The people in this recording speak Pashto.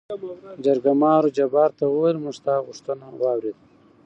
جرګمارو جبار ته ووېل: موږ ستا غوښتنه وارېده.